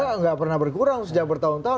tidak pernah berkurang sejak bertahun tahun